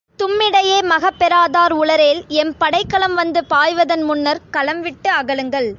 தும்மிடையே மகப் பெறாதார் உளரேல், M படைக்கலம் வந்து பாய்வதன் முன்னர்க் களம் விட்டு அகலுங்கள்.